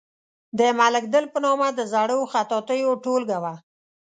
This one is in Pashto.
د ملک دل په نامه د زړو خطاطیو ټولګه وه.